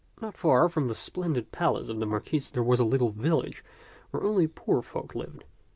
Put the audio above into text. Not far from the splendid palace of the Marquis there was a little village where only poor folk lived.